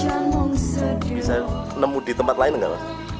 bisa nemu di tempat lain enggak